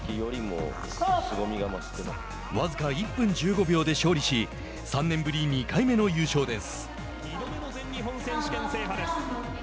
僅か１分１５秒で勝利し３年ぶり２回目の優勝です。